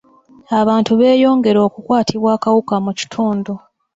Abantu beeyongera okukwatibwa akawuka mu kitundu.